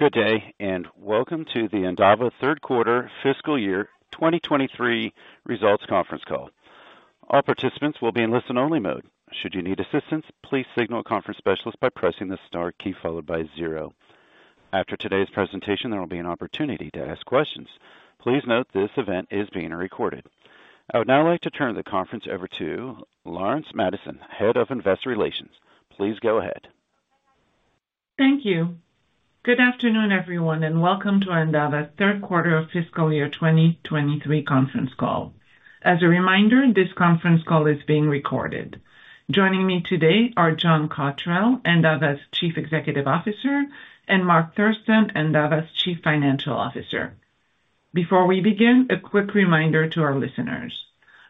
Good day, welcome to the Endava third quarter fiscal year 2023 results conference call. All participants will be in listen-only mode. Should you need assistance, please signal a conference specialist by pressing the star key followed by 0. After today's presentation, there will be an opportunity to ask questions. Please note this event is being recorded. I would now like to turn the conference over to Laurence Madsen, Head of Investor Relations. Please go ahead. Thank you. Good afternoon, everyone, and welcome to Endava's third quarter of fiscal year 2023 conference call. As a reminder, this conference call is being recorded. Joining me today are John Cotterell, Endava's Chief Executive Officer, and Mark Thurston, Endava's Chief Financial Officer. Before we begin, a quick reminder to our listeners.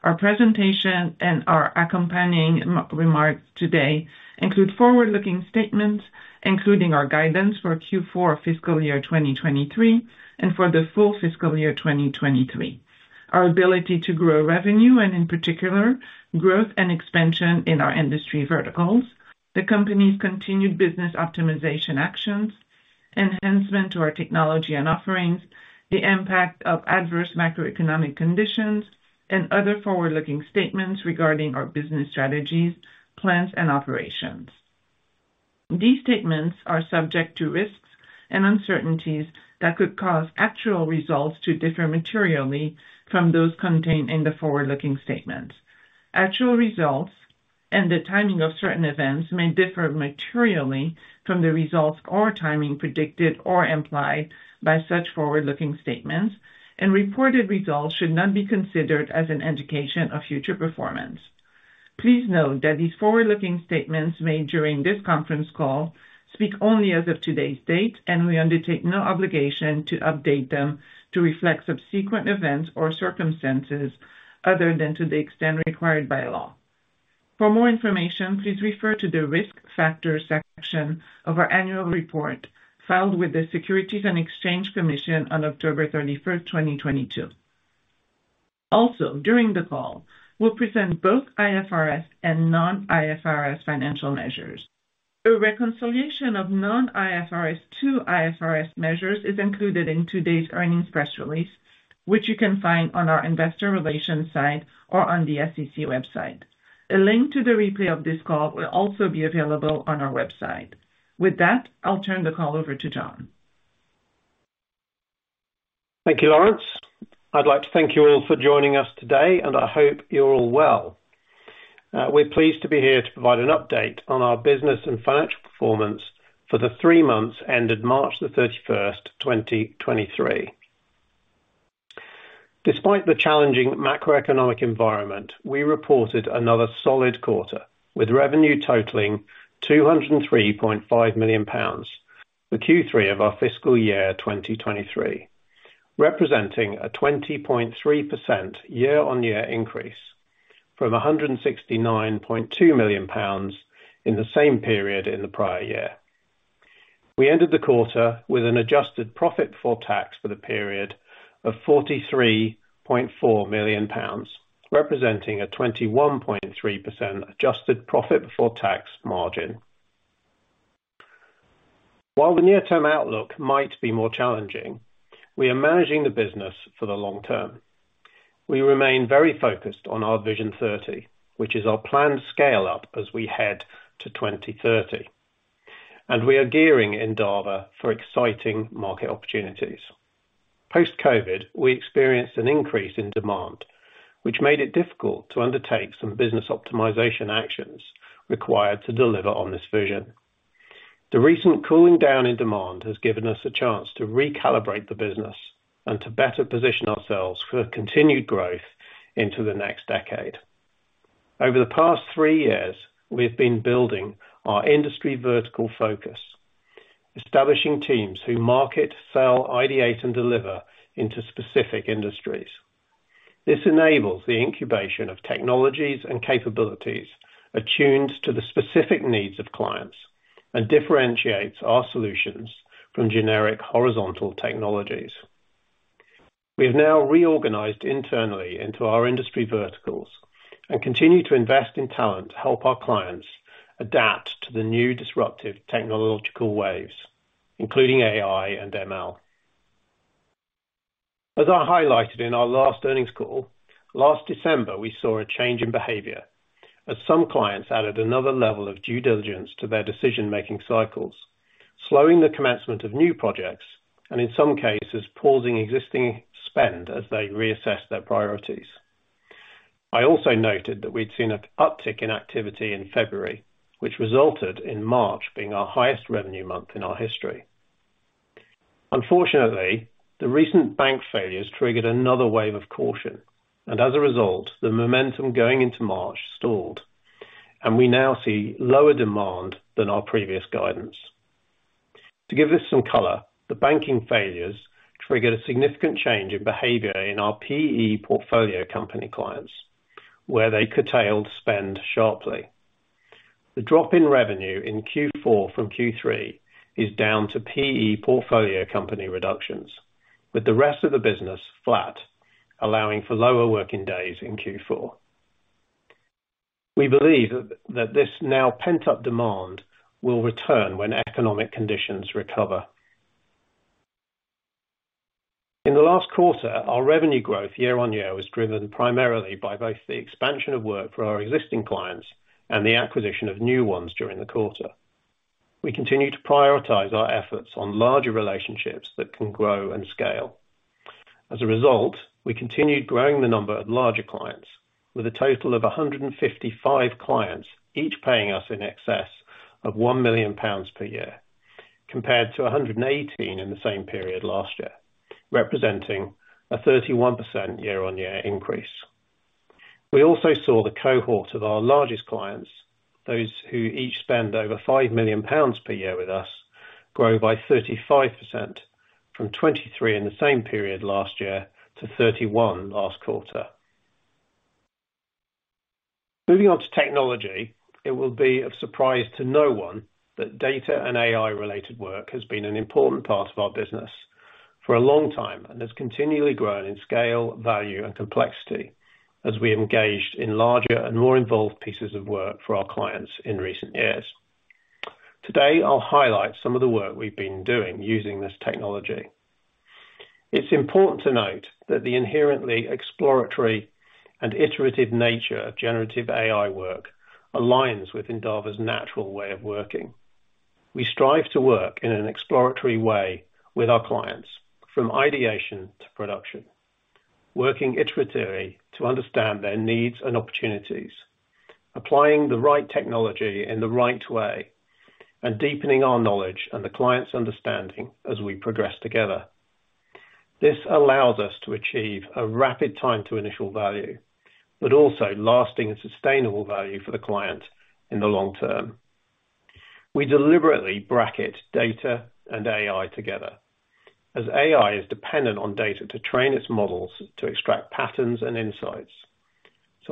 Our presentation and our accompanying remarks today include forward-looking statements, including our guidance for Q4 fiscal year 2023 and for the full fiscal year 2023. Our ability to grow revenue and in particular growth and expansion in our industry verticals, the company's continued business optimization actions, enhancement to our technology and offerings, the impact of adverse macroeconomic conditions, and other forward-looking statements regarding our business strategies, plans, and operations. These statements are subject to risks and uncertainties that could cause actual results to differ materially from those contained in the forward-looking statements. Actual results and the timing of certain events may differ materially from the results or timing predicted or implied by such forward-looking statements, and reported results should not be considered as an indication of future performance. Please note that these forward-looking statements made during this conference call speak only as of today's date, and we undertake no obligation to update them to reflect subsequent events or circumstances other than to the extent required by law. For more information, please refer to the Risk Factors section of our annual report filed with the Securities and Exchange Commission on October 31st, 2022. During the call, we'll present both IFRS and non-IFRS financial measures. A reconciliation of non-IFRS to IFRS measures is included in today's earnings press release, which you can find on our investor relations site or on the SEC website. A link to the replay of this call will also be available on our website. With that, I'll turn the call over to John. Thank you, Laurence. I'd like to thank you all for joining us today, and I hope you're all well. We're pleased to be here to provide an update on our business and financial performance for the three months ended March the 31st, 2023. Despite the challenging macroeconomic environment, we reported another solid quarter, with revenue totaling 203.5 million pounds for Q3 of our fiscal year 2023, representing a 20.3% year-on-year increase from 169.2 million pounds in the same period in the prior year. We ended the quarter with an adjusted profit for tax for the period of 43.4 million pounds, representing a 21.3% adjusted profit before tax margin. While the near-term outlook might be more challenging, we are managing the business for the long term. We remain very focused on our Vision 30, which is our planned scale-up as we head to 2030, and we are gearing Endava for exciting market opportunities. Post-COVID, we experienced an increase in demand, which made it difficult to undertake some business optimization actions required to deliver on this vision. The recent cooling down in demand has given us a chance to recalibrate the business and to better position ourselves for continued growth into the next decade. Over the past three years, we've been building our industry vertical focus, establishing teams who market, sell, ideate, and deliver into specific industries. This enables the incubation of technologies and capabilities attuned to the specific needs of clients and differentiates our solutions from generic horizontal technologies. We have now reorganized internally into our industry verticals and continue to invest in talent to help our clients adapt to the new disruptive technological waves, including AI and ML. As I highlighted in our last earnings call, last December, we saw a change in behavior as some clients added another level of due diligence to their decision-making cycles, slowing the commencement of new projects and in some cases, pausing existing spend as they reassess their priorities. I also noted that we'd seen an uptick in activity in February, which resulted in March being our highest revenue month in our history. Unfortunately, the recent bank failures triggered another wave of caution, and as a result, the momentum going into March stalled, and we now see lower demand than our previous guidance. To give this some color, the banking failures triggered a significant change in behavior in our PE portfolio company clients, where they curtailed spend sharply. The drop in revenue in Q4 from Q3 is down to PE portfolio company reductions, with the rest of the business flat, allowing for lower working days in Q4. We believe that this now pent-up demand will return when economic conditions recover. In the last quarter, our revenue growth year-on-year was driven primarily by both the expansion of work for our existing clients and the acquisition of new ones during the quarter. We continue to prioritize our efforts on larger relationships that can grow and scale. As a result, we continued growing the number of larger clients with a total of 155 clients, each paying us in excess of 1 million pounds per year, compared to 118 in the same period last year, representing a 31% year-on-year increase. We also saw the cohort of our largest clients, those who each spend over 5 million pounds per year with us, grow by 35% from 23 in the same period last year to 31 last quarter. Moving on to technology, it will be of surprise to no one that data and AI-related work has been an important part of our business for a long time and has continually grown in scale, value, and complexity as we engaged in larger and more involved pieces of work for our clients in recent years. Today, I'll highlight some of the work we've been doing using this technology. It's important to note that the inherently exploratory and iterative nature of generative AI work aligns with Endava's natural way of working. We strive to work in an exploratory way with our clients, from ideation to production, working iteratively to understand their needs and opportunities, applying the right technology in the right way, and deepening our knowledge and the client's understanding as we progress together. This allows us to achieve a rapid time to initial value, but also lasting and sustainable value for the client in the long term. We deliberately bracket data and AI together as AI is dependent on data to train its models to extract patterns and insights.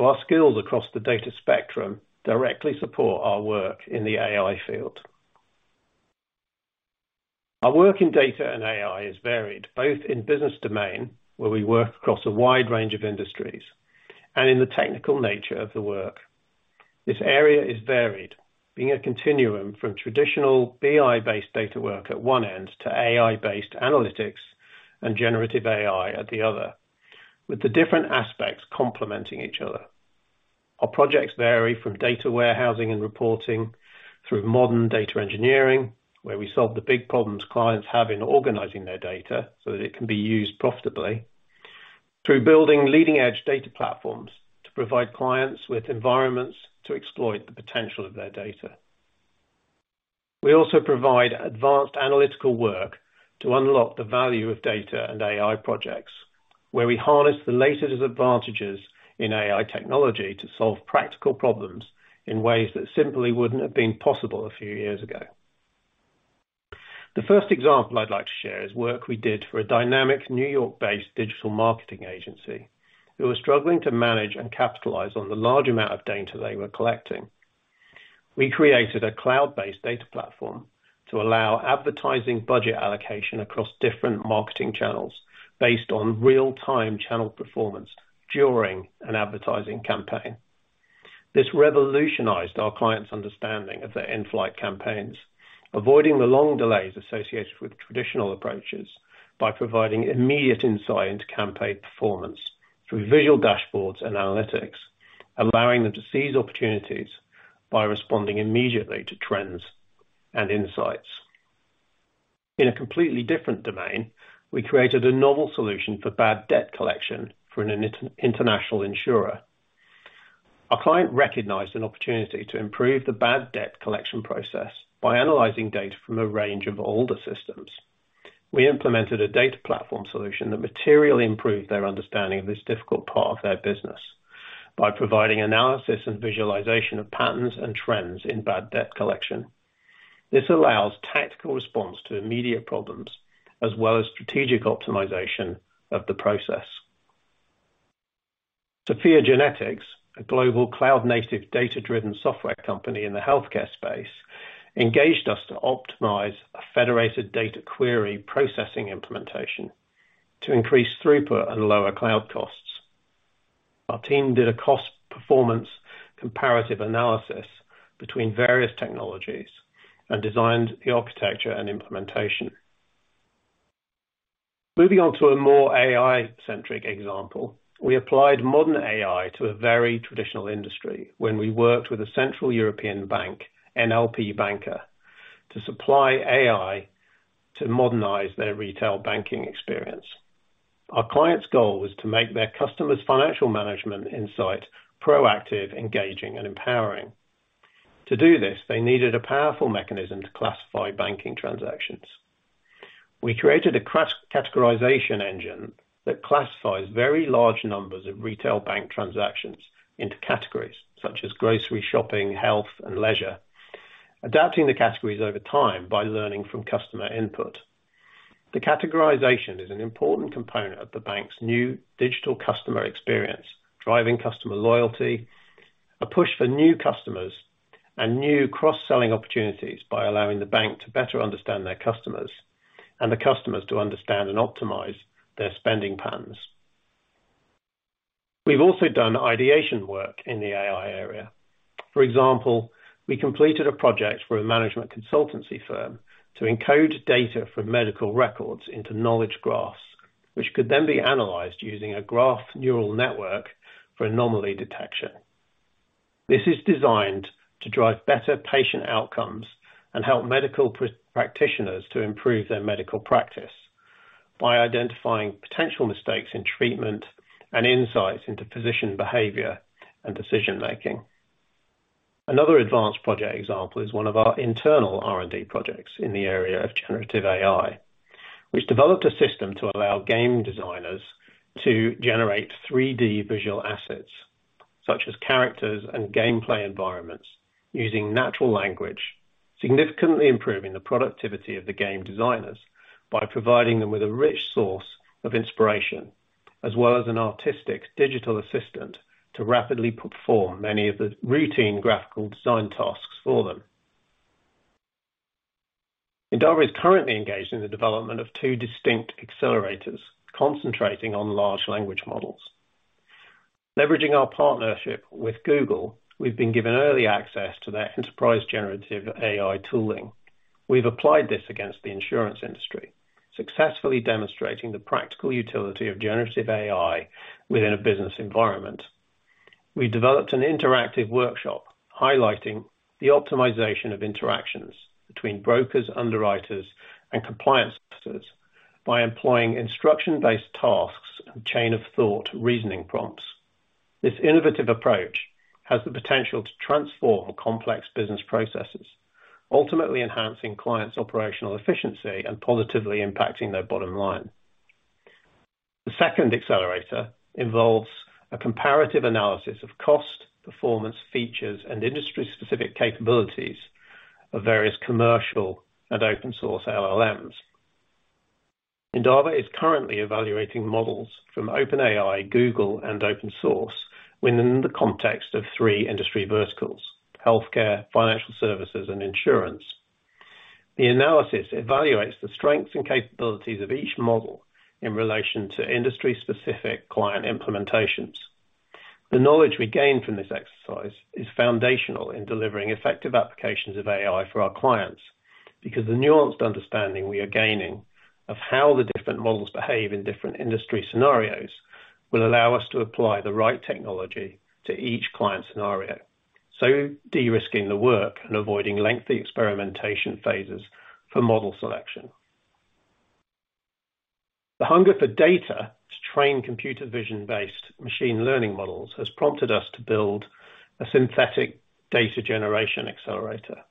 Our skills across the data spectrum directly support our work in the AI field. Our work in data and AI is varied, both in business domain, where we work across a wide range of industries, and in the technical nature of the work. This area is varied, being a continuum from traditional BI-based data work at one end to AI-based analytics and generative AI at the other, with the different aspects complementing each other. Our projects vary from data warehousing and reporting through modern data engineering, where we solve the big problems clients have in organizing their data so that it can be used profitably, through building leading-edge data platforms to provide clients with environments to exploit the potential of their data. We also provide advanced analytical work to unlock the value of data and AI projects, where we harness the latest advantages in AI technology to solve practical problems in ways that simply wouldn't have been possible a few years ago. The first example I'd like to share is work we did for a dynamic New York-based digital marketing agency who were struggling to manage and capitalize on the large amount of data they were collecting. We created a cloud-based data platform to allow advertising budget allocation across different marketing channels based on real-time channel performance during an advertising campaign. This revolutionized our client's understanding of their in-flight campaigns, avoiding the long delays associated with traditional approaches by providing immediate insight into campaign performance through visual dashboards and analytics, allowing them to seize opportunities by responding immediately to trends and insights. In a completely different domain, we created a novel solution for bad debt collection for an inter-international insurer. Our client recognized an opportunity to improve the bad debt collection process by analyzing data from a range of older systems. We implemented a data platform solution that materially improved their understanding of this difficult part of their business by providing analysis and visualization of patterns and trends in bad debt collection. This allows tactical response to immediate problems as well as strategic optimization of the process. SOPHiA GENETICS, a global cloud-native data-driven software company in the healthcare space, engaged us to optimize a federated data query processing implementation to increase throughput and lower cloud costs. Our team did a cost performance comparative analysis between various technologies and designed the architecture and implementation. Moving on to a more AI-centric example, we applied modern AI to a very traditional industry when we worked with a central European bank, NLP Banker, to supply AI to modernize their retail banking experience. Our client's goal was to make their customers' financial management insight proactive, engaging, and empowering. To do this, they needed a powerful mechanism to classify banking transactions. We created a categorization engine that classifies very large numbers of retail bank transactions into categories such as grocery, shopping, health, and leisure, adapting the categories over time by learning from customer input. The categorization is an important component of the bank's new digital customer experience, driving customer loyalty, a push for new customers, and new cross-selling opportunities by allowing the bank to better understand their customers and the customers to understand and optimize their spending patterns. We've also done ideation work in the AI area. For example, we completed a project for a management consultancy firm to encode data from medical records into knowledge graphs, which could then be analyzed using a graph neural network for anomaly detection. This is designed to drive better patient outcomes and help medical practitioners to improve their medical practice by identifying potential mistakes in treatment and insights into physician behavior and decision-making. Another advanced project example is one of our internal R&D projects in the area of generative AI, which developed a system to allow game designers to generate 3D visual assets such as characters and gameplay environments using natural language, significantly improving the productivity of the game designers by providing them with a rich source of inspiration as well as an artistic digital assistant to rapidly perform many of the routine graphical design tasks for them. Endava is currently engaged in the development of two distinct accelerators concentrating on large language models. Leveraging our partnership with Google, we've been given early access to their enterprise generative AI tooling. We've applied this against the insurance industry, successfully demonstrating the practical utility of generative AI within a business environment. We developed an interactive workshop highlighting the optimization of interactions between brokers, underwriters, and compliance officers by employing instruction-based tasks and Chain of Thought reasoning prompts. This innovative approach has the potential to transform complex business processes, ultimately enhancing clients' operational efficiency and positively impacting their bottom line. The second accelerator involves a comparative analysis of cost, performance, features, and industry-specific capabilities of various commercial and open source LLMs. Endava is currently evaluating models from OpenAI, Google, and open source within the context of three industry verticals: healthcare, financial services, and insurance. The analysis evaluates the strengths and capabilities of each model in relation to industry-specific client implementations. The knowledge we gain from this exercise is foundational in delivering effective applications of AI for our clients, because the nuanced understanding we are gaining of how the different models behave in different industry scenarios will allow us to apply the right technology to each client scenario, so de-risking the work and avoiding lengthy experimentation phases for model selection. The hunger for data to train computer vision-based machine learning models has prompted us to build a synthetic data generation accelerator.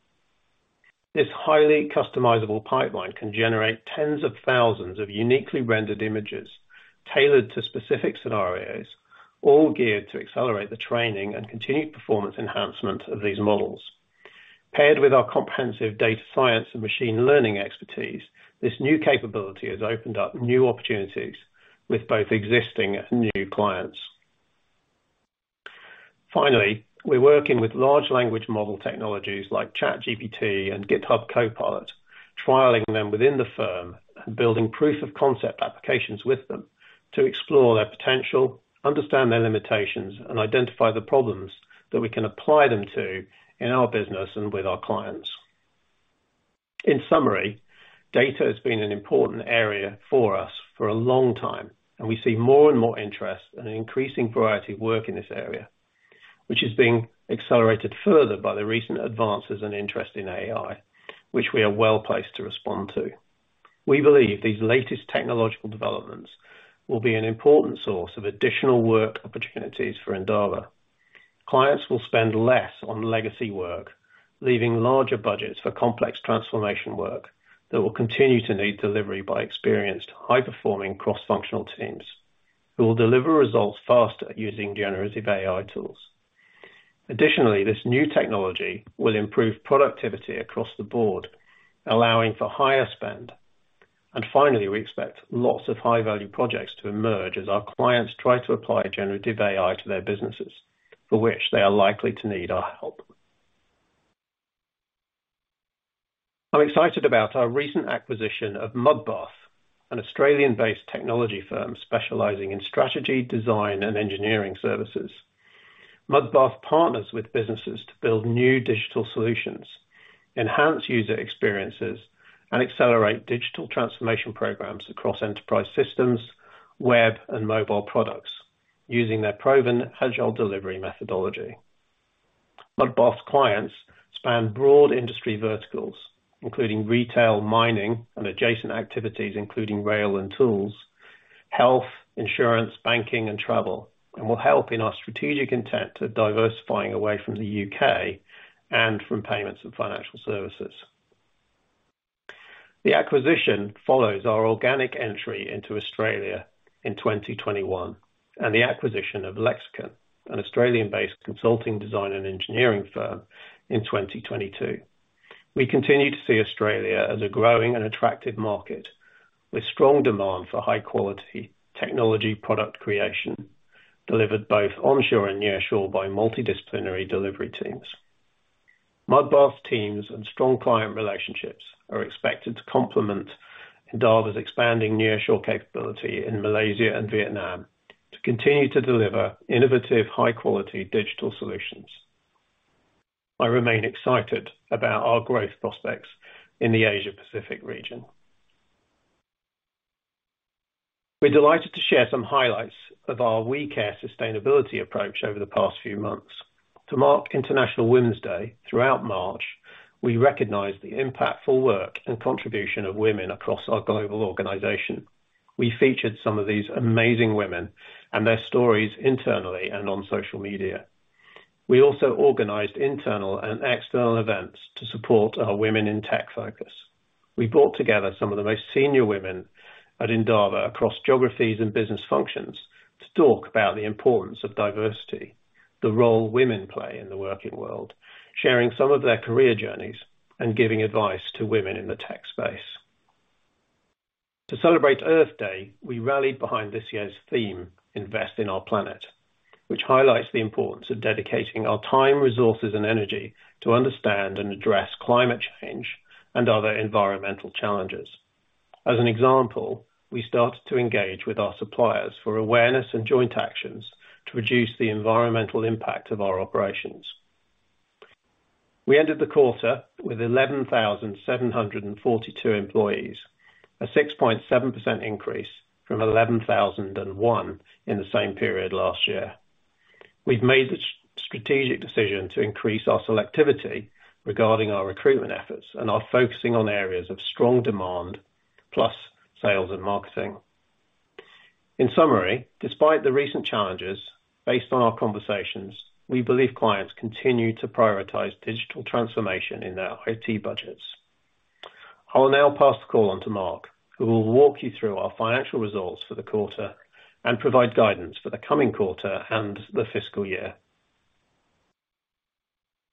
This highly customizable pipeline can generate tens of thousands of uniquely rendered images tailored to specific scenarios, all geared to accelerate the training and continued performance enhancement of these models. Paired with our comprehensive data science and machine learning expertise, this new capability has opened up new opportunities with both existing and new clients. We're working with large language model technologies like ChatGPT and GitHub Copilot, trialing them within the firm and building proof of concept applications with them to explore their potential, understand their limitations, and identify the problems that we can apply them to in our business and with our clients. Data has been an important area for us for a long time, and we see more and more interest and an increasing variety of work in this area, which is being accelerated further by the recent advances and interest in AI, which we are well-placed to respond to. We believe these latest technological developments will be an important source of additional work opportunities for Endava. Clients will spend less on legacy work, leaving larger budgets for complex transformation work that will continue to need delivery by experienced high-performing cross-functional teams who will deliver results faster using generative AI tools. Additionally, this new technology will improve productivity across the board, allowing for higher spend. Finally, we expect lots of high-value projects to emerge as our clients try to apply generative AI to their businesses, for which they are likely to need our help. I'm excited about our recent acquisition of Mudbath, an Australian-based technology firm specializing in strategy, design, and engineering services. Mudbath partners with businesses to build new digital solutions, enhance user experiences, and accelerate digital transformation programs across enterprise systems, web, and mobile products using their proven agile delivery methodology. Mudbath clients span broad industry verticals, including retail, mining, and adjacent activities, including rail and tools, health, insurance, banking, and travel, and will help in our strategic intent of diversifying away from the U.K. and from payments and financial services. The acquisition follows our organic entry into Australia in 2021 and the acquisition of Lexicon, an Australian-based consulting design and engineering firm in 2022. We continue to see Australia as a growing and attractive market with strong demand for high-quality technology product creation delivered both onshore and nearshore by multidisciplinary delivery teams. Mudbath teams and strong client relationships are expected to complement Endava's expanding nearshore capability in Malaysia and Vietnam to continue to deliver innovative, high-quality digital solutions. I remain excited about our growth prospects in the Asia Pacific region. We're delighted to share some highlights of our We Care sustainability approach over the past few months. To mark International Women's Day throughout March, we recognized the impactful work and contribution of women across our global organization. We featured some of these amazing women and their stories internally and on social media. We also organized internal and external events to support our Women in Tech focus. We brought together some of the most senior women at Endava across geographies and business functions to talk about the importance of diversity, the role women play in the working world, sharing some of their career journeys, and giving advice to women in the tech space. To celebrate Earth Day, we rallied behind this year's theme, Invest in Our Planet, which highlights the importance of dedicating our time, resources, and energy to understand and address climate change and other environmental challenges. As an example, we started to engage with our suppliers for awareness and joint actions to reduce the environmental impact of our operations. We ended the quarter with 11,742 employees, a 6.7% increase from 11,001 in the same period last year. We've made the strategic decision to increase our selectivity regarding our recruitment efforts and are focusing on areas of strong demand, plus sales and marketing. In summary, despite the recent challenges, based on our conversations, we believe clients continue to prioritize digital transformation in their IT budgets. I will now pass the call on to Mark, who will walk you through our financial results for the quarter and provide guidance for the coming quarter and the fiscal year.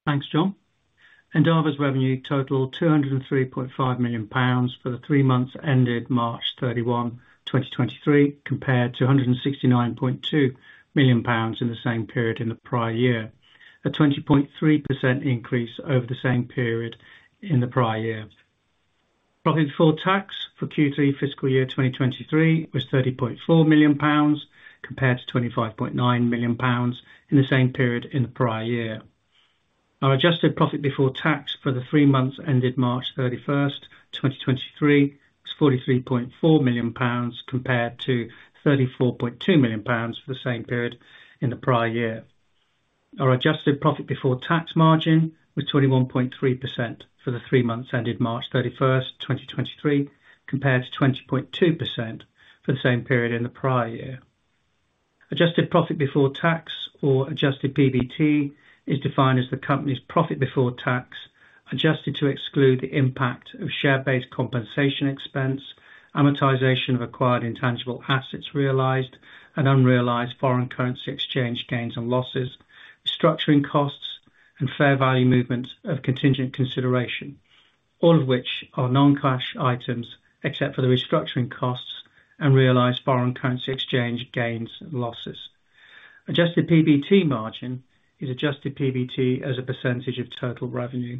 Thanks, John. Endava's revenue totaled 203.5 million pounds for the three months ended March 31, 2023, compared to 169.2 million pounds in the same period in the prior year. A 20.3% increase over the same period in the prior year. Profit before tax for Q3 FY23 was 30.4 million pounds compared to 25.9 million pounds in the same period in the prior year. Our adjusted profit before tax for the three months ended March 31st, 2023, was 43.4 million pounds compared to 34.2 million pounds for the same period in the prior year. Our adjusted profit before tax margin was 21.3% for the three months ended March 31st, 2023, compared to 20.2% for the same period in the prior year. Adjusted Profit Before Tax or adjusted PBT is defined as the company's profit before tax, adjusted to exclude the impact of share-based compensation expense, amortization of acquired intangible assets realized, and unrealized foreign currency exchange gains and losses, restructuring costs, and fair value movements of contingent consideration. All of which are non-cash items except for the restructuring costs and realized foreign currency exchange gains and losses. Adjusted PBT margin is adjusted PBT as a percentage of total revenue.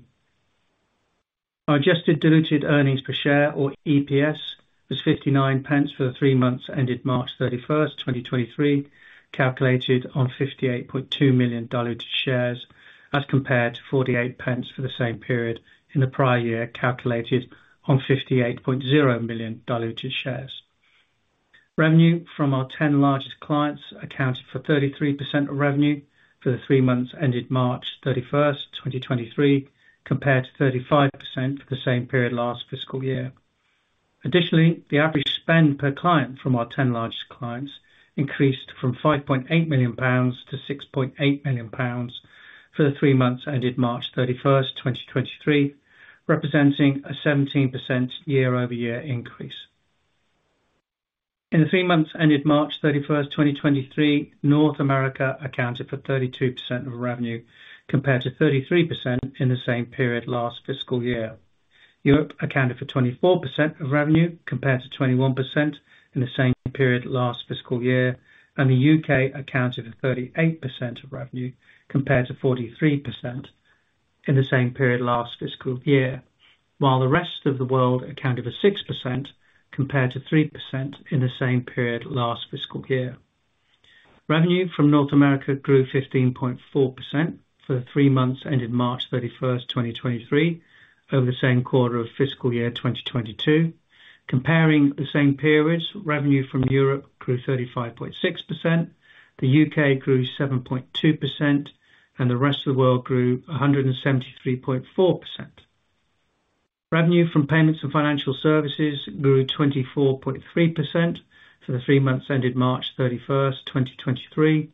Our adjusted diluted earnings per share or EPS was 0.59 for the three months ended March 31st, 2023, calculated on 58.2 million diluted shares as compared to 0.48 for the same period in the prior year, calculated on 58.0 million diluted shares. Revenue from our 10 largest clients accounted for 33% of revenue for the three months ended March 31st, 2023, compared to 35% for the same period last fiscal year. Additionally, the average spend per client from our 10 largest clients increased from 5.8 million-6.8 million pounds for the three months ended March 31st, 2023, representing a 17% year-over-year increase. In the three months ended March 31st, 2023, North America accounted for 32% of revenue, compared to 33% in the same period last fiscal year. Europe accounted for 24% of revenue compared to 21% in the same period last fiscal year. The UK accounted for 38% of revenue compared to 43% in the same period last fiscal year. The rest of the world accounted for 6% compared to 3% in the same period last fiscal year. Revenue from North America grew 15.4% for the three months ended March 31st, 2023, over the same quarter of fiscal year 2022. Comparing the same periods, revenue from Europe grew 35.6%, the UK grew 7.2%, and the rest of the world grew 173.4%. Revenue from payments and financial services grew 24.3% for the three months ended March 31st, 2023.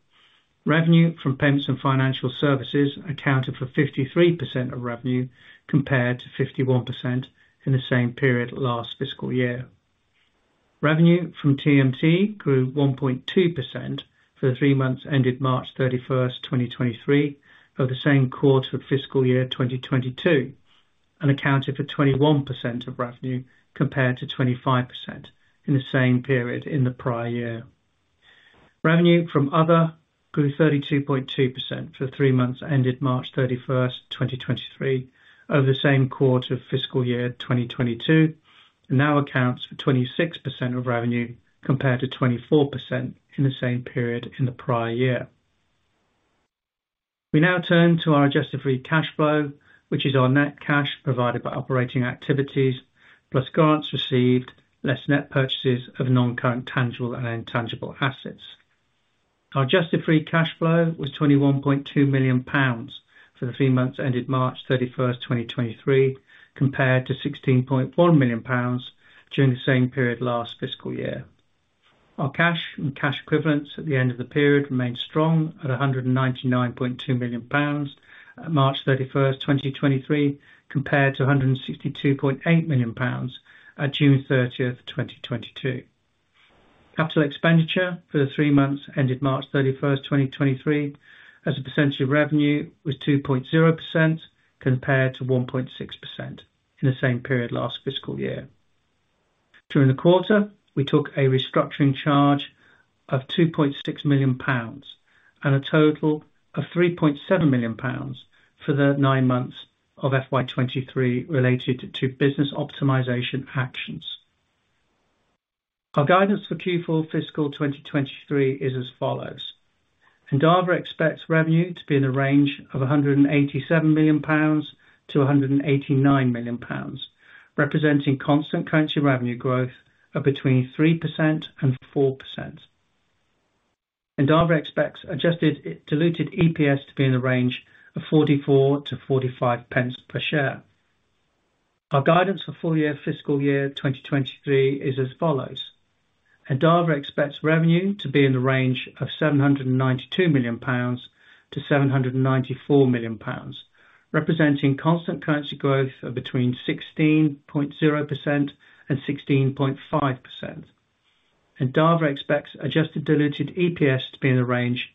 Revenue from payments and financial services accounted for 53% of revenue, compared to 51% in the same period last fiscal year. Revenue from TMT grew 1.2% for the three months ended March 31st, 2023, over the same quarter FY22, and accounted for 21% of revenue compared to 25% in the same period in the prior year. Revenue from other grew 32.2% for the three months ended March 31st, 2023, over the same quarter FY22, and now accounts for 26% of revenue compared to 24% in the same period in the prior year. We now turn to our adjusted free cash flow, which is our net cash provided by operating activities, plus grants received, less net purchases of non-current tangible and intangible assets. Our adjusted free cash flow was 21.2 million pounds for the three months ended March 31st, 2023, compared to 16.1 million pounds during the same period last fiscal year. Our cash and cash equivalents at the end of the period remained strong at 199.2 million pounds at March 31st, 2023, compared to 162.8 million pounds at June 30th, 2022. Capital expenditure for the three months ended March 31st, 2023, as a percentage of revenue was 2.0% compared to 1.6% in the same period last fiscal year. During the quarter, we took a restructuring charge of 2.6 million pounds and a total of 3.7 million pounds for the nine months of FY23 related to business optimization actions. Our guidance for Q4 fiscal 2023 is as follows: Endava expects revenue to be in the range of 187 million-189 million pounds, representing constant currency revenue growth of between 3% and 4%. Endava expects adjusted diluted EPS to be in the range of 0.44-0.45 per share. Our guidance for full year fiscal year 2023 is as follows: Endava expects revenue to be in the range of 792 million-794 million pounds, representing constant currency growth of between 16.0% and 16.5%. Endava expects adjusted diluted EPS to be in the range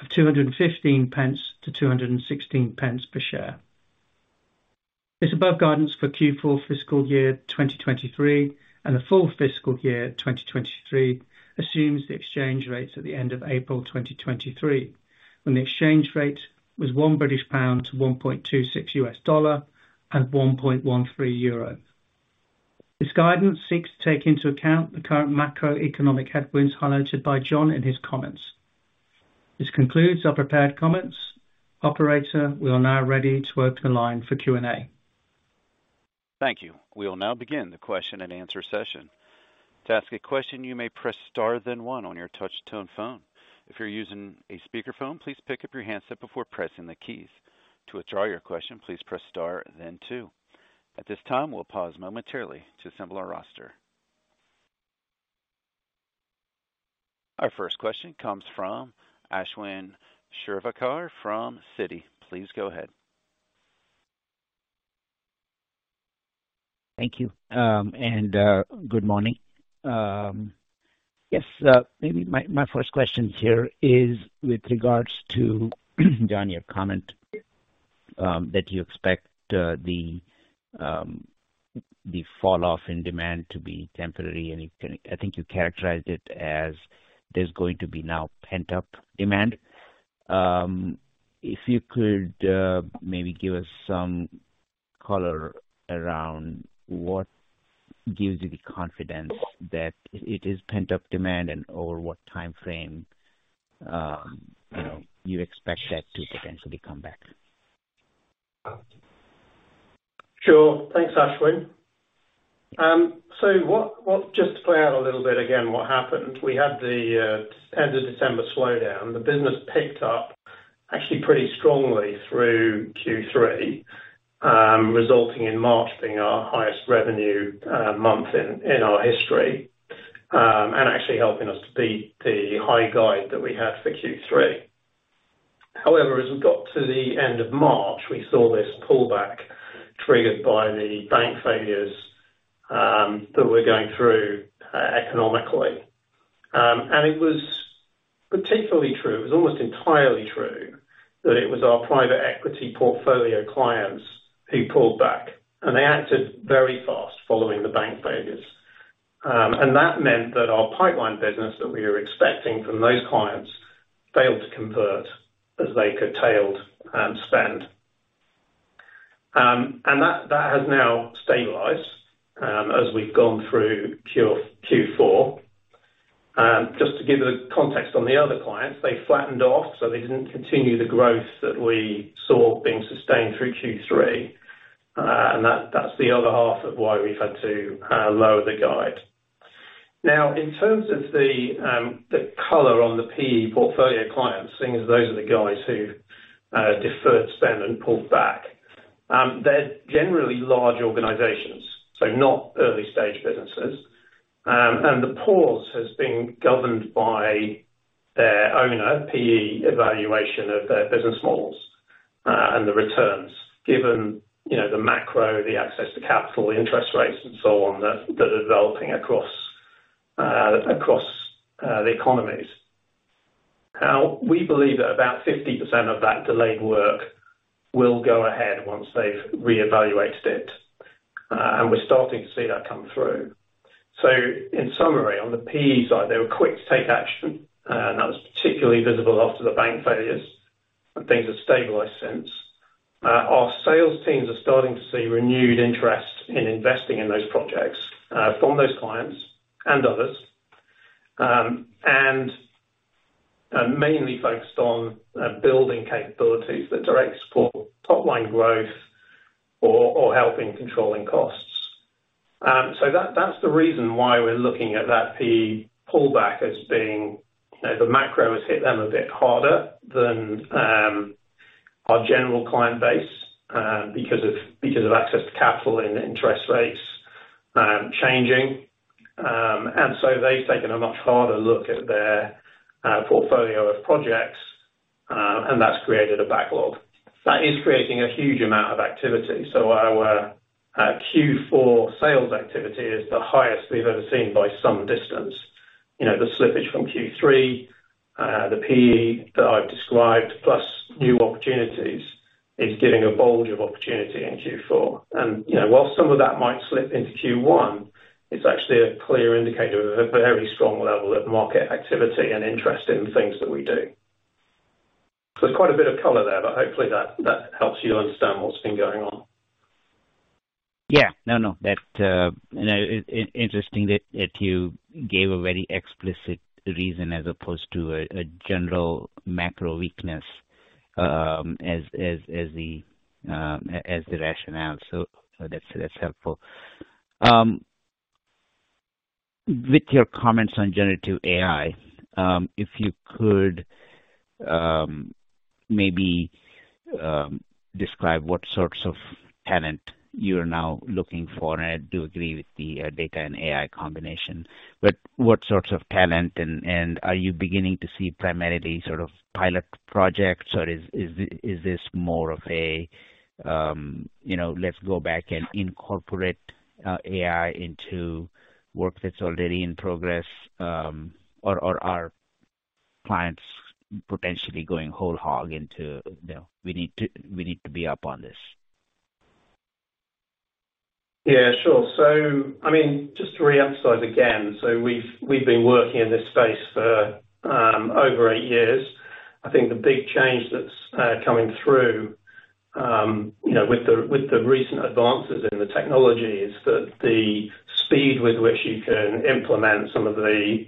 of 2.15-2.16 per share. This above guidance for Q4 fiscal year 2023 and the full fiscal year 2023 assumes the exchange rates at the end of April 2023, when the exchange rate was 1 British pound to $1.26 and 1.13 euro. This guidance seeks to take into account the current macroeconomic headwinds highlighted by John in his comments. This concludes our prepared comments. Operator, we are now ready to open the line for Q&A. Thank you. We will now begin the question and answer session. To ask a question, you may press star then one on your touch-tone phone. If you're using a speaker phone, please pick up your handset before pressing the keys. To withdraw your question, please press star then two. At this time, we'll pause momentarily to assemble our roster. Our first question comes from Ashwin Shirvaikar from Citi. Please go ahead. Thank you, and good morning. Yes, maybe my first question here is with regards to John, your comment that you expect the falloff in demand to be temporary, and I think you characterized it as there's going to be now pent-up demand. If you could, maybe give us some color around what gives you the confidence that it is pent-up demand and over what timeframe, you know, you expect that to potentially come back? Sure. Thanks, Ashwin. Just to play out a little bit again what happened, we had the end of December slowdown. The business picked up actually pretty strongly through Q3, resulting in March being our highest revenue month in our history, and actually helping us beat the high guide that we had for Q3. However, as we got to the end of March, we saw this pullback triggered by the bank failures that we're going through economically. It was particularly true, it was almost entirely true, that it was our private equity portfolio clients who pulled back, and they acted very fast following the bank failures. That meant that our pipeline business that we were expecting from those clients failed to convert as they curtailed, spend. That has now stabilized, as we've gone through Q4. Just to give the context on the other clients, they flattened off, so they didn't continue the growth that we saw being sustained through Q3. That's the other half of why we've had to lower the guide. Now, in terms of the color on the PE portfolio clients, seeing as those are the guys who deferred spend and pulled back, they're generally large organizations, so not early stage businesses. The pause has been governed by their owner, PE evaluation of their business models, and the returns, given, you know, the macro, the access to capital, interest rates and so on, that are developing across the economies. We believe that about 50% of that delayed work will go ahead once they've reevaluated it. We're starting to see that come through. In summary, on the PE side, they were quick to take action, and that was particularly visible after the bank failures. Things have stabilized since. Our sales teams are starting to see renewed interest in investing in those projects from those clients and others. Mainly focused on building capabilities that direct support top-line growth or helping controlling costs. That's the reason why we're looking at that PE pullback as being, you know, the macro has hit them a bit harder than our general client base because of access to capital and interest rates changing. They've taken a much harder look at their portfolio of projects, and that's created a backlog. That is creating a huge amount of activity. Our Q4 sales activity is the highest we've ever seen by some distance. You know, the slippage from Q3, the PE that I've described, plus new opportunities, is giving a bulge of opportunity in Q4. You know, while some of that might slip into Q1, it's actually a clear indicator of a very strong level of market activity and interest in the things that we do. It's quite a bit of color there, but hopefully that helps you understand what's been going on. No, no. That, you know, interesting that you gave a very explicit reason as opposed to a general macro weakness as the rationale. That's, that's helpful. With your comments on generative AI, if you could maybe describe what sorts of talent you're now looking for, and I do agree with the data and AI combination. What sorts of talent and are you beginning to see primarily sort of pilot projects, or is this more of a, you know, let's go back and incorporate AI into work that's already in progress? Or are clients potentially going whole hog into, you know, we need to be up on this? Sure. I mean, just to reemphasize again, we've been working in this space for over eight years. I think the big change that's coming through, you know, with the recent advances in the technology is that the speed with which you can implement some of the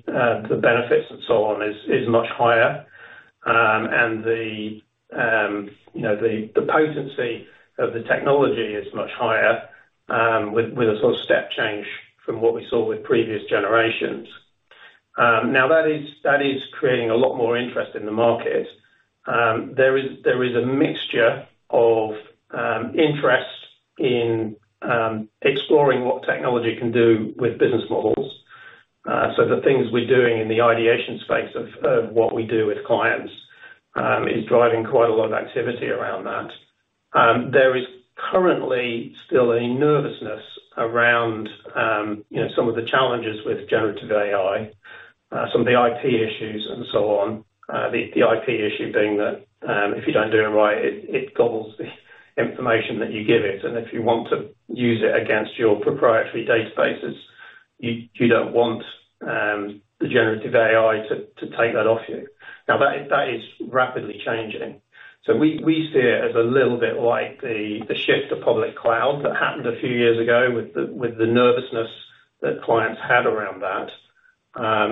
benefits and so on is much higher. The, you know, the potency of the technology is much higher with a sort of step change from what we saw with previous generations. That is creating a lot more interest in the market. There is a mixture of interest in exploring what technology can do with business models. The things we're doing in the ideation space of what we do with clients, is driving quite a lot of activity around that. There is currently still a nervousness around, you know, some of the challenges with generative AI, some of the IP issues and so on. The IP issue being that, if you don't do it right, it gobbles the information that you give it. And if you want to use it against your proprietary databases, you don't want the generative AI to take that off you. That is rapidly changing. We see it as a little bit like the shift to public cloud that happened a few years ago with the nervousness that clients had around that.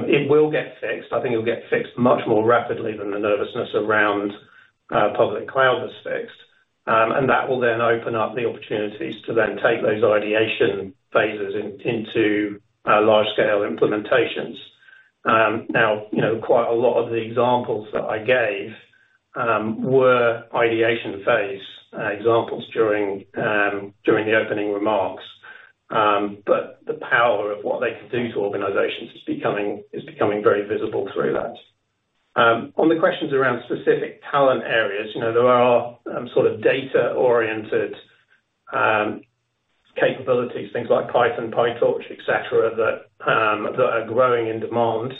It will get fixed. I think it'll get fixed much more rapidly than the nervousness around public cloud was fixed. That will then open up the opportunities to then take those ideation phases into large scale implementations. You know, quite a lot of the examples that I gave were ideation phase examples during the opening remarks. The power of what they can do to organizations is becoming very visible through that. On the questions around specific talent areas, you know, there are sort of data-oriented capabilities, things like Python, PyTorch, et cetera, that are growing in demand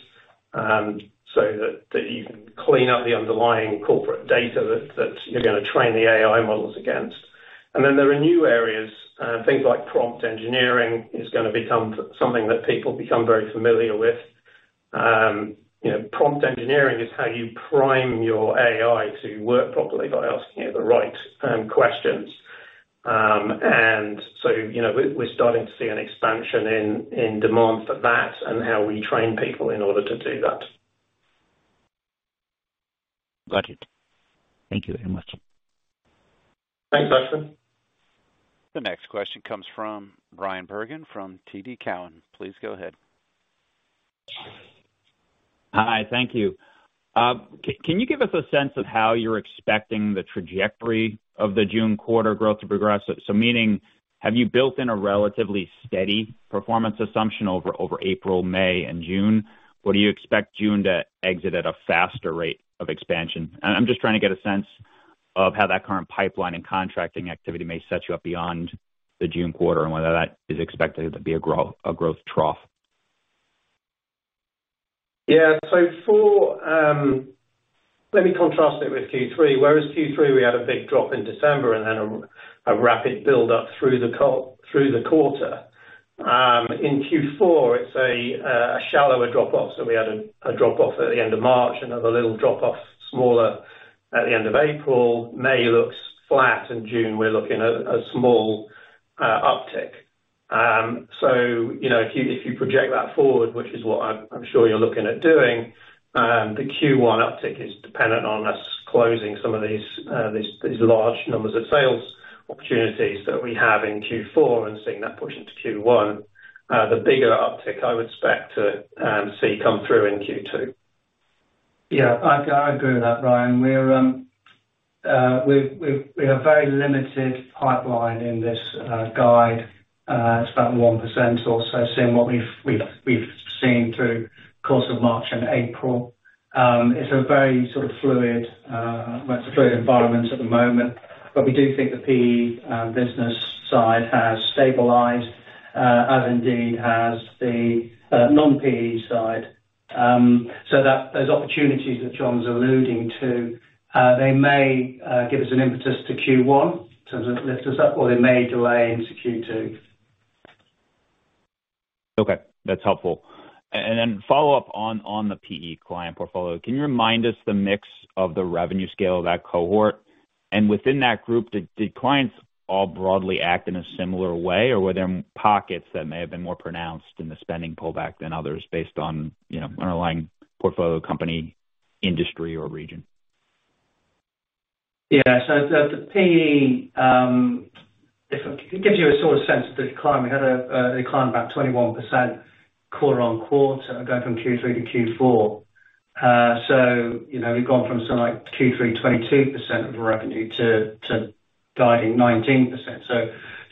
so that you can clean up the underlying corporate data that you're gonna train the AI models against. Then there are new areas. Things like prompt engineering is gonna become something that people become very familiar with. You know, prompt engineering is how you prime your AI to work properly by asking it the right questions. You know, we're starting to see an expansion in demand for that and how we train people in order to do that. Got it. Thank you very much. Thanks, Ashwin. The next question comes from Bryan Bergin from TD Cowen. Please go ahead. Hi. Thank you. Can you give us a sense of how you're expecting the trajectory of the June quarter growth to progress? Meaning, have you built in a relatively steady performance assumption over April, May and June? Or do you expect June to exit at a faster rate of expansion? I'm just trying to get a sense of how that current pipeline and contracting activity may set you up beyond the June quarter and whether that is expected to be a growth trough. For, let me contrast it with Q3. Whereas Q3 we had a big drop in December and then a rapid build up through the quarter, in Q4 it's a shallower drop off. We had a drop off at the end of March, another little drop off, smaller at the end of April. May looks flat. In June, we're looking at a small uptick. You know, if you project that forward, which is what I'm sure you're looking at doing, the Q1 uptick is dependent on us closing some of these large numbers of sales opportunities that we have in Q4 and seeing that push into Q1. The bigger uptick I would expect to see come through in Q2. Yeah. I agree with that, Ryan. We're, we've, we have very limited pipeline in this guide. It's about 1% or so, seeing what we've seen through course of March and April. It's a very sort of fluid, well it's a fluid environment at the moment, but we do think the PE business side has stabilized, as indeed has the non-PE side. That those opportunities that John's alluding to, they may give us an impetus to Q1 to lift us up or they may delay into Q2. Okay, that's helpful. Then follow up on the PE client portfolio. Can you remind us the mix of the revenue scale of that cohort? Within that group, did clients all broadly act in a similar way or were there pockets that may have been more pronounced in the spending pullback than others based on, you know, underlying portfolio company industry or region? Yeah. The PE gives you a sort of sense of the decline. We had a decline about 21% quarter-on-quarter going from Q3 to Q4. You know, we've gone from something like Q3 22% of revenue to guiding 19%.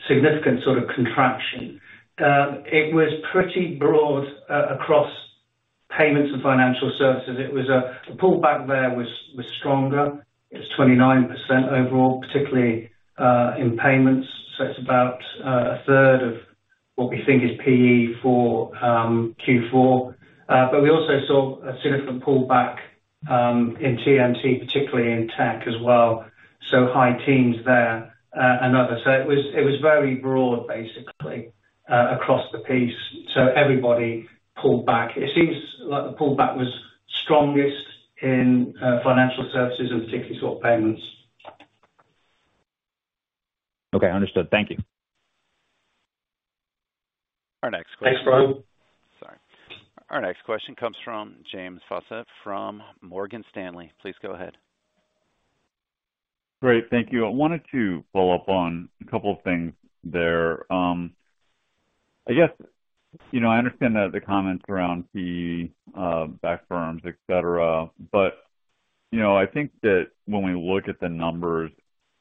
Significant sort of contraction. It was pretty broad across payments and financial services. The pullback there was stronger. It was 29% overall, particularly in payments. It's about a third of what we think is PE for Q4. We also saw a significant pullback in TMT, particularly in tech as well, so high teens there, and other. It was very broad basically across the piece. Everybody pulled back. It seems like the pullback was strongest in financial services and particularly sort of payments. Okay, understood. Thank you. Our next question. Thanks, Ryan. Sorry. Our next question comes from James Faucette from Morgan Stanley. Please go ahead. Great. Thank you. I wanted to follow up on a couple of things there. I guess, you know, I understand that the comments around PE backed firms, et cetera, but you know, I think that when we look at the numbers,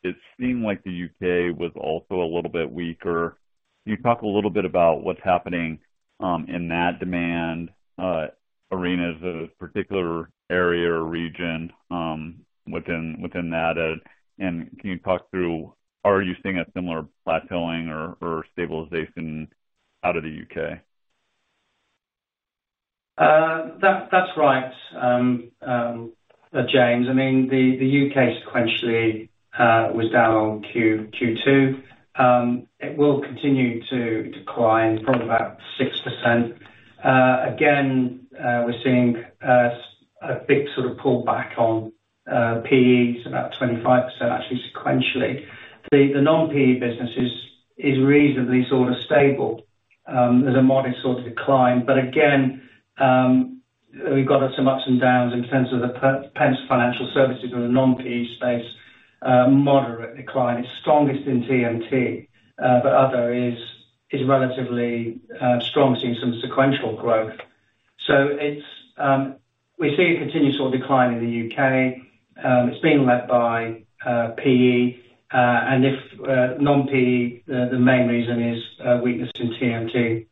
it seemed like the U.K. was also a little bit weaker. Can you talk a little bit about what's happening in that demand arena as a particular area or region within that? Can you talk through are you seeing a similar plateauing or stabilization out of the U.K.? That, that's right, James. I mean, the UK sequentially was down on Q2. It will continue to decline probably about 6%. Again, we're seeing a big sort of pullback on PEs, about 25% actually sequentially. The non-PE business is reasonably sort of stable. There's a modest sort of decline. But again, we've got some ups and downs in terms of the financial services or the non-PE space, moderate decline. It's strongest in TMT, but other is relatively strong, seeing some sequential growth. It's, we see a continued sort of decline in the UK. It's being led by PE, and if non-PE, the main reason is weakness in TMT.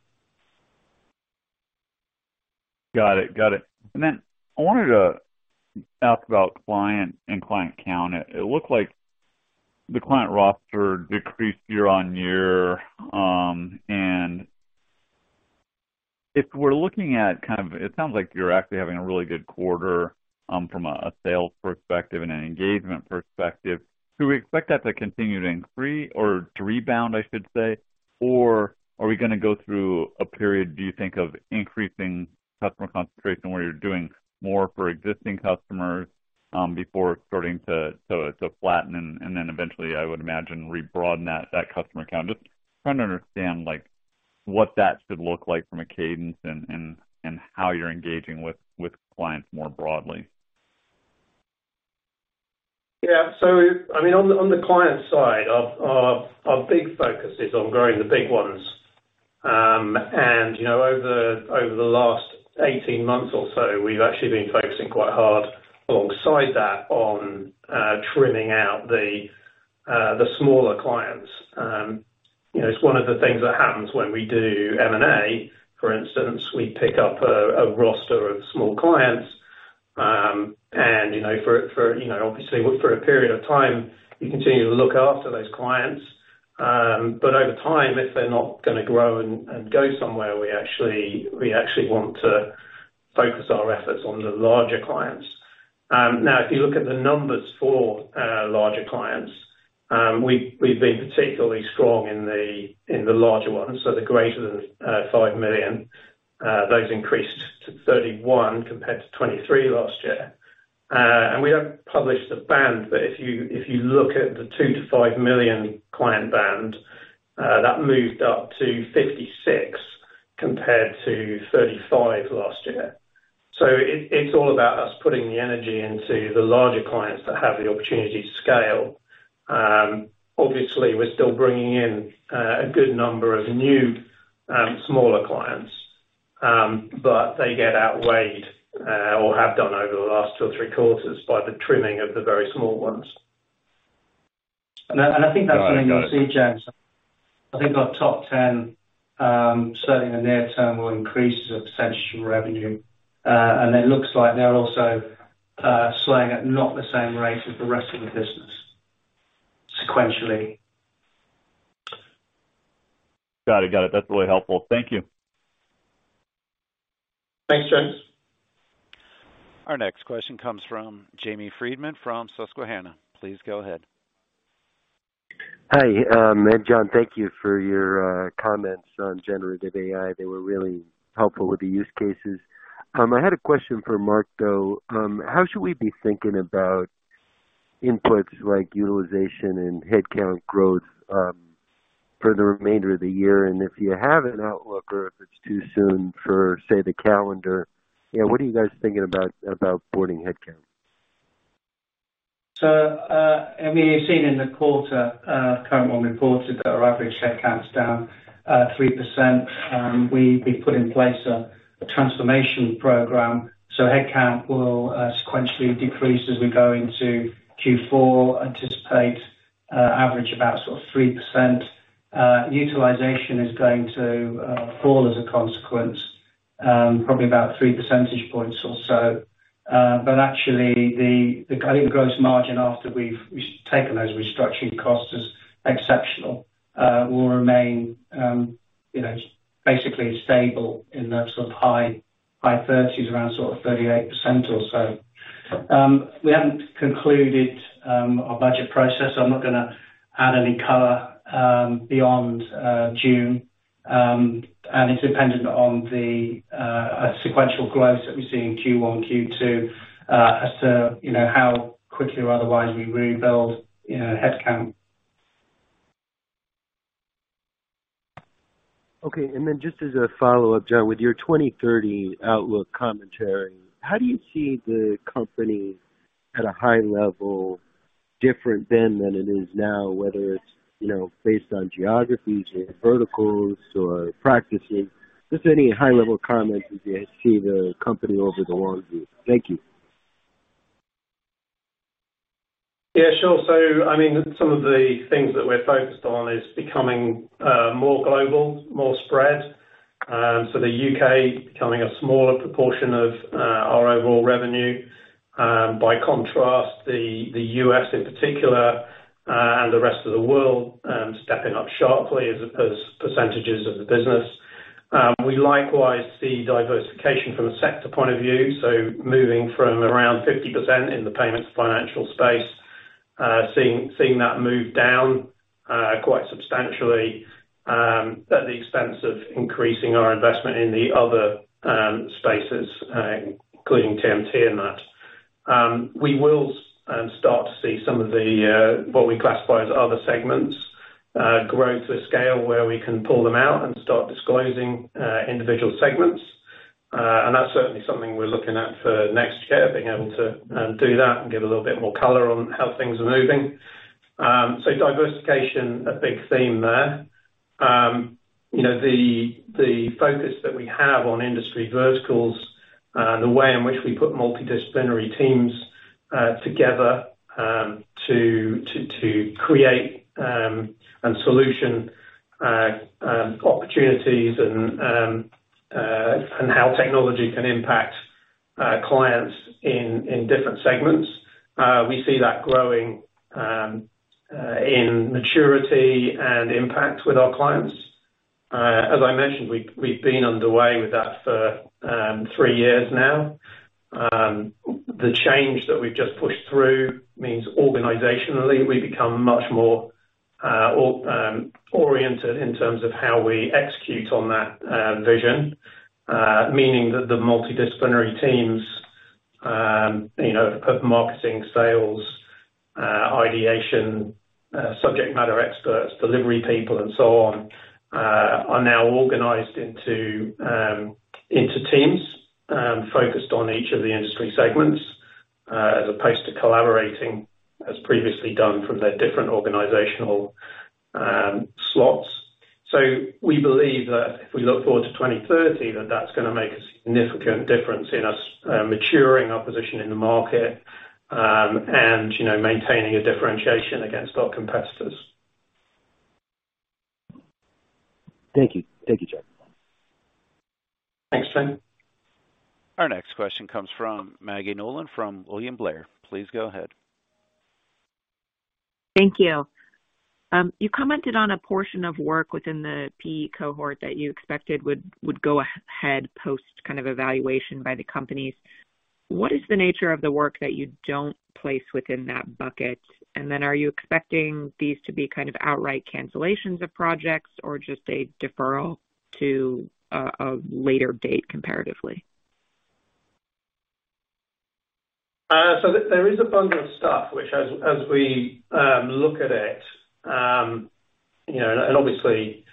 Got it. I wanted to ask about client and client count. It looked like the client roster decreased year-over-year. It sounds like you're actually having a really good quarter from a sales perspective and an engagement perspective. Do we expect that to continue to increase or to rebound, I should say? Or are we gonna go through a period, do you think of increasing customer concentration where you're doing more for existing customers before starting to flatten and then eventually I would imagine rebroaden that customer count? Just trying to understand like what that should look like from a cadence and how you're engaging with clients more broadly. Yeah. I mean, on the, on the client side, our, our big focus is on growing the big ones. You know, over the last 18 months or so, we've actually been focusing quite hard alongside that on trimming out the smaller clients. You know, it's one of the things that happens when we do M&A, for instance. We pick up a roster of small clients You know, for, you know, obviously for a period of time, you continue to look after those clients. But over time, if they're not gonna grow and go somewhere, we actually want to focus our efforts on the larger clients. Now, if you look at the numbers for our larger clients, we've been particularly strong in the, in the larger ones. The greater than 5 million, those increased to 31 compared to 23 last year. We don't publish the band, but if you, if you look at the 2 million-5 million client band, that moved up to 56 compared to 35 last year. It, it's all about us putting the energy into the larger clients that have the opportunity to scale. Obviously, we're still bringing in a good number of new smaller clients, but they get outweighed or have done over the last two or three quarters by the trimming of the very small ones. I think that's something you'll see, James. I think our top 10, certainly in the near term, will increase as a % of revenue. It looks like they're also slowing at not the same rate as the rest of the business sequentially. Got it. That's really helpful. Thank you. Thanks, James. Our next question comes from Jamie Friedman from Susquehanna. Please go ahead. Hi. John, thank you for your comments on generative AI. They were really helpful with the use cases. I had a question for Mark, though. How should we be thinking about inputs like utilization and headcount growth for the remainder of the year? If you have an outlook or if it's too soon for, say, the calendar, you know, what are you guys thinking about boarding headcount? I mean, you've seen in the quarter, current well reported that our average headcount is down 3%. We've put in place a transformation program. Headcount will sequentially decrease as we go into Q4. Anticipate average about sort of 3%. Utilization is going to fall as a consequence, probably about three percentage points or so. Actually the, I think gross margin after we've taken those restructuring costs as exceptional, will remain, you know, basically stable in the sort of high, high thirties around sort of 38% or so. We haven't concluded our budget process. I'm not gonna add any color beyond June. It's dependent on the sequential growth that we see in Q1, Q2, as to how quickly or otherwise we rebuild headcount. Okay. Just as a follow-up, John, with your 2030 outlook commentary, how do you see the company at a high level different then than it is now, whether it's, you know, based on geographies or verticals or practices? Just any high level comments as you see the company over the long view. Thank you. Yeah, sure. I mean, some of the things that we're focused on is becoming more global, more spread. The U.K. becoming a smaller proportion of our overall revenue. By contrast, the U.S. in particular, and the rest of the world, stepping up sharply as percentages of the business. We likewise see diversification from a sector point of view. Moving from around 50% in the payments financial space, seeing that move down quite substantially, at the expense of increasing our investment in the other spaces, including TMT in that. We will start to see some of the what we classify as other segments grow to a scale where we can pull them out and start disclosing individual segments. That's certainly something we're looking at for next year, being able to do that and give a little bit more color on how things are moving. Diversification, a big theme there. You know, the focus that we have on industry verticals, the way in which we put multidisciplinary teams together, to create and solution opportunities and how technology can impact clients in different segments. We see that growing in maturity and impact with our clients. As I mentioned, we've been underway with that for three years now. The change that we've just pushed through means organizationally we become much more oriented in terms of how we execute on that vision. meaning that the multidisciplinary teams, you know, put marketing, sales, ideation, subject matter experts, delivery people and so on, are now organized into teams, focused on each of the industry segments, as opposed to collaborating as previously done from their different organizational, slots. We believe that if we look forward to 2030, that that's gonna make a significant difference in us, maturing our position in the market, and, you know, maintaining a differentiation against our competitors. Thank you. Thank you, Jonathan. Thanks, Ben. Our next question comes from Maggie Nolan from William Blair. Please go ahead. Thank you. You commented on a portion of work within the PE cohort that you expected would go ahead post kind of evaluation by the companies. What is the nature of the work that you don't place within that bucket? Are you expecting these to be kind of outright cancellations of projects or just a deferral to a later date comparatively? There is a bundle of stuff which as we look at it, you know, and obviously,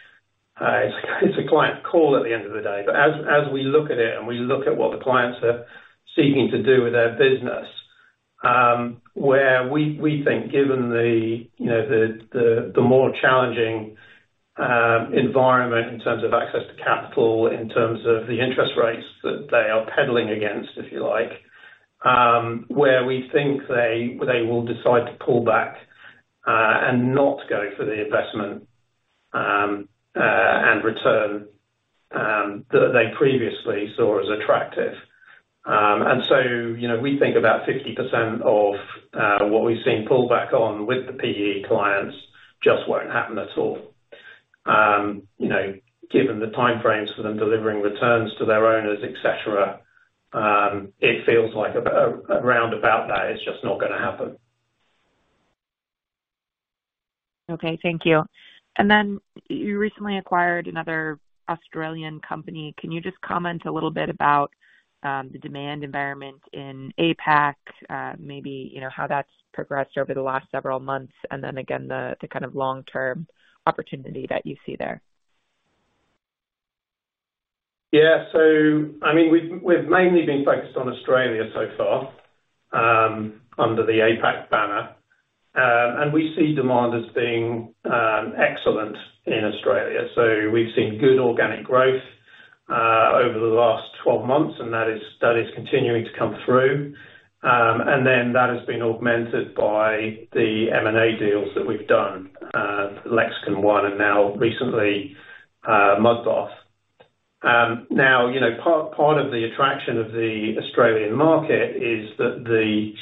it's a client call at the end of the day. As we look at it, and we look at what the clients are seeking to do with their business, where we think given the, you know, the more challenging environment in terms of access to capital, in terms of the interest rates that they are peddling against, if you like, where we think they will decide to pull back and not go for the investment and return that they previously saw as attractive. You know, we think about 50% of what we've seen pull back on with the PE clients just won't happen at all. You know, given the timeframes for them delivering returns to their owners, et cetera, it feels like around about that is just not gonna happen. Okay. Thank you. You recently acquired another Australian company. Can you just comment a little bit about the demand environment in APAC, maybe, you know, how that's progressed over the last several months, and then again, the kind of long-term opportunity that you see there? Yeah. I mean, we've mainly been focused on Australia so far, under the APAC banner. We see demand as being excellent in Australia. We've seen good organic growth over the last 12 months, and that is continuing to come through. That has been augmented by the M&A deals that we've done, the Lexicon one, and now recently, Mudbath. Now, you know, part of the attraction of the Australian market is that the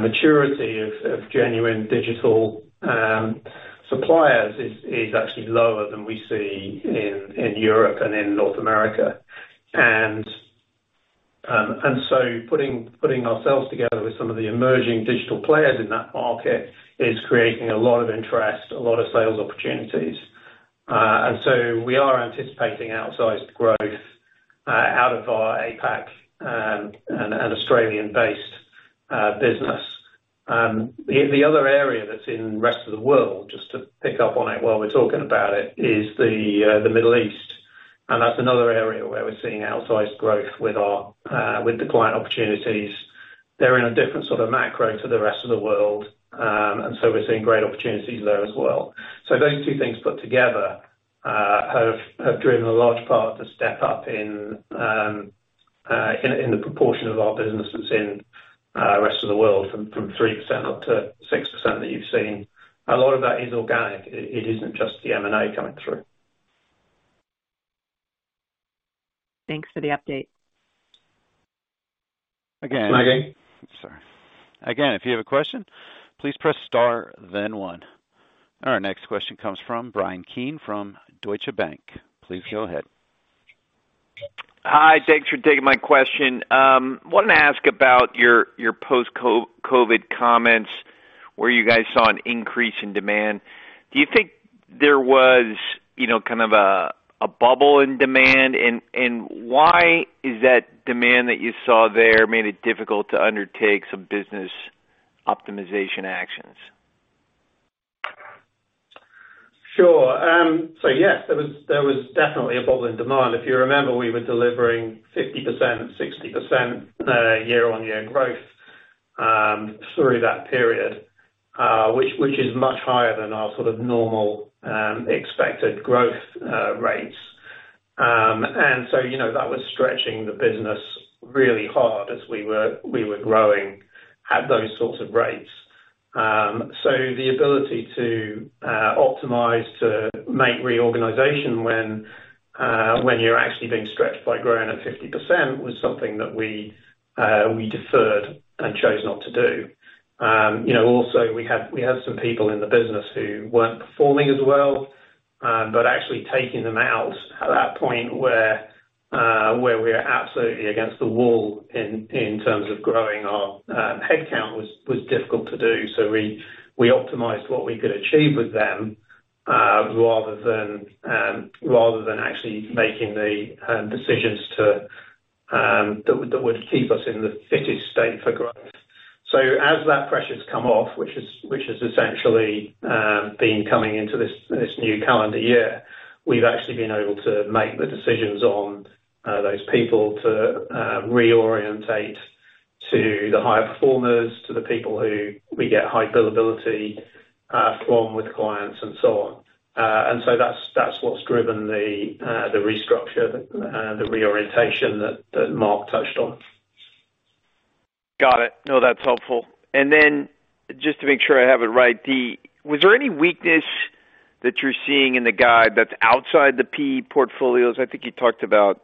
maturity of genuine digital suppliers is actually lower than we see in Europe and in North America. Putting ourselves together with some of the emerging digital players in that market is creating a lot of interest, a lot of sales opportunities. We are anticipating outsized growth out of our APAC and Australian-based business. The other area that's in rest of the world, just to pick up on it while we're talking about it, is the Middle East, and that's another area where we're seeing outsized growth with our with the client opportunities. They're in a different sort of macro to the rest of the world, and we're seeing great opportunities there as well. Those two things put together have driven a large part of the step up in the proportion of our business that's in rest of the world from from 3% up to 6% that you've seen. A lot of that is organic. It isn't just the M&A coming through. Thanks for the update. Again- Thanks, Maggie. Sorry. Again, if you have a question, please press star then one. Our next question comes from Bryan Keane from Deutsche Bank. Please go ahead. Hi. Thanks for taking my question. wanted to ask about your post-COVID comments, where you guys saw an increase in demand. Do you think there was, you know, kind of a bubble in demand? Why is that demand that you saw there made it difficult to undertake some business optimization actions? Sure. Yes, there was definitely a bubble in demand. If you remember, we were delivering 50%, 60% year-on-year growth through that period, which is much higher than our sort of normal expected growth rates. You know, that was stretching the business really hard as we were growing at those sorts of rates. The ability to optimize, to make reorganization when you're actually being stretched by growing at 50%, was something that we deferred and chose not to do. you know, also we had some people in the business who weren't performing as well, but actually taking them out at that point where we're absolutely against the wall in terms of growing our head count was difficult to do. We, we optimized what we could achieve with them, rather than actually making the decisions to, that would keep us in the fittest state for growth. As that pressure's come off, which has essentially, been coming into this new calendar year, we've actually been able to make the decisions on, those people to, reorientate to the higher performers, to the people who we get high billability, from with clients and so on. That's what's driven the restructure, the reorientation that Mark touched on. Got it. No, that's helpful. Just to make sure I have it right, Was there any weakness that you're seeing in the guide that's outside the PE portfolios? I think you talked about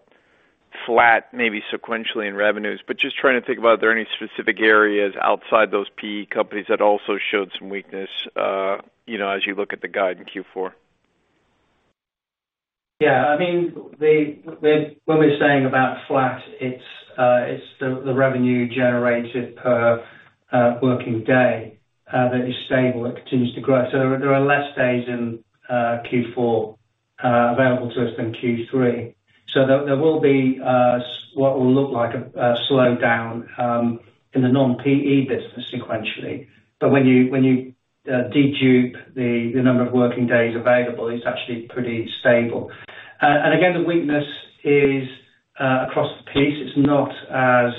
flat, maybe sequentially in revenues, but just trying to think about, are there any specific areas outside those PE companies that also showed some weakness, you know, as you look at the guide in Q4? What we're saying about flat, it's the revenue generated per working day that is stable. It continues to grow. There are less days in Q4 available to us than Q3. There will be what will look like a slowdown in the non-PE business sequentially. When you dedup the number of working days available, it's actually pretty stable. Again, the weakness is across the piece. It's not as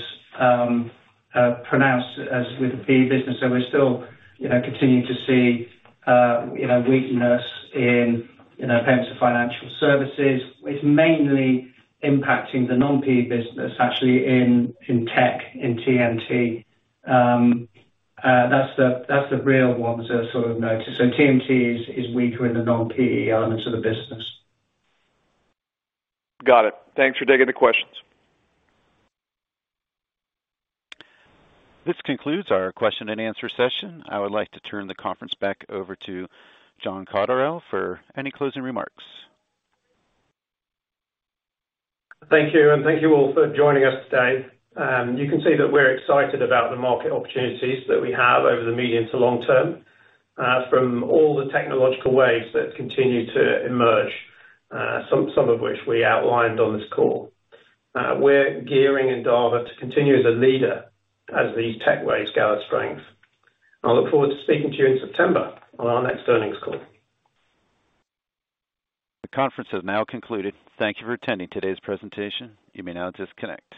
pronounced as with the PE business. We're still, you know, continuing to see, you know, weakness in, you know, payments and financial services. It's mainly impacting the non-PE business actually in tech, in TMT. That's the, that's the real one to sort of notice. TMT is weaker in the non-PE elements of the business. Got it. Thanks for taking the questions. This concludes our question and answer session. I would like to turn the conference back over to John Cotterell for any closing remarks. Thank you. Thank you all for joining us today. You can see that we're excited about the market opportunities that we have over the medium to long term from all the technological waves that continue to emerge, some of which we outlined on this call. We're gearing Endava to continue as a leader as these tech waves gather strength. I look forward to speaking to you in September on our next earnings call. The conference has now concluded. Thank you for attending today's presentation. You may now disconnect.